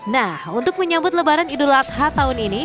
nah untuk menyambut lebaran idul adha tahun ini